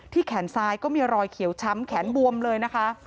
แขนซ้ายก็มีรอยเขียวช้ำแขนบวมเลยนะคะ